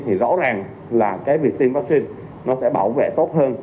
thì rõ ràng là cái việc tiêm vaccine nó sẽ bảo vệ tốt hơn